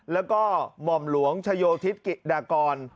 แล้วก็หม่อมหลวงชโยธิศกิจากร